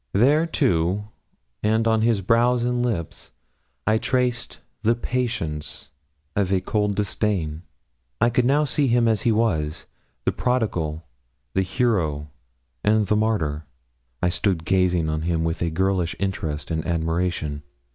There, too, and on his brows and lip, I traced the patience of a cold disdain. I could now see him as he was the prodigal, the hero, and the martyr. I stood gazing on him with a girlish interest and admiration.